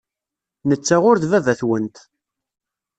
Netta ur d baba-twent.